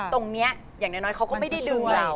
อย่างน้อยเขาก็ไม่ได้ดึงเรา